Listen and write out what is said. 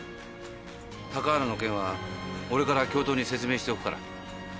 高原の件は俺から教頭に説明しておくから。